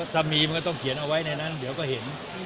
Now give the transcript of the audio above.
ถ้ามีมันก็ต้องเขียนเอาไว้ในนั้นเดี๋ยวก็เห็น